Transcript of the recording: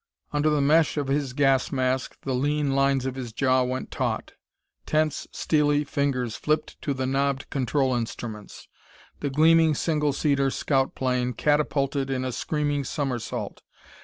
Under the mesh of his gas mask the lean lines of his jaw went taut. Tense, steely fingers flipped to the knobbed control instruments; the gleaming single seater scout plane catapulted in a screaming somersault.